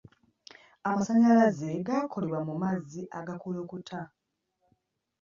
Amasannyalaze gakolebwa mu mazzi agakulukuta